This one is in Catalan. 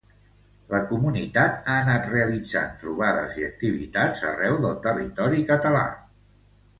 La comunitat ha anat realitzant trobades i activitats arreu del territori català.